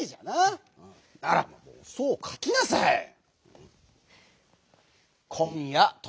ならばそうかきなさい！